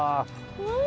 うん！